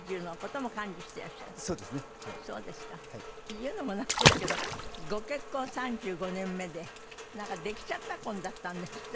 言うのもなんですけどご結婚３５年目でできちゃった婚だったんですって？